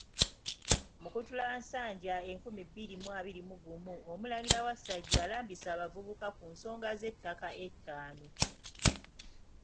Mukutulansanja enkumi bbiri mu abiri mu gumu, Omulangira Wasajja alambise abavubuka ku nsonga z'ettaka ettaano.